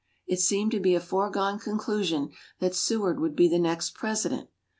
It seemed to be a foregone conclusion that Seward would be the next President.